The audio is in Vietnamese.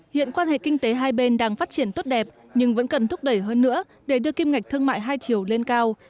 hiện quan hệ kinh tế hai bên đang phát triển tốt đẹp nhưng vẫn cần thúc đẩy hơn nữa để đưa kim ngạch thương mại hai triệu lên cao